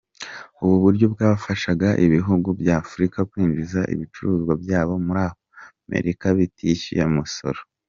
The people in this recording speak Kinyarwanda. Ubu buryo bwafashaga ibihugu by’Afrika kwinjiza ibicuruzwa byabyo muri Amerika bitishyuye umusoro.